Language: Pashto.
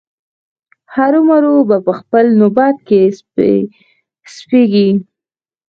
هرو مرو به په خپل نوبت کې سپریږي.